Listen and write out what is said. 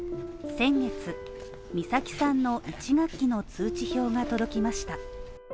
先月、美咲さんの１学期の通知表が届きました。